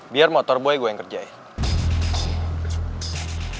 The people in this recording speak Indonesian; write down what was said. biar motor boy gua yang kerjain